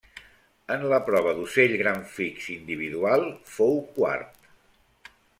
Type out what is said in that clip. En la prova d'ocell gran fix individual fou quart.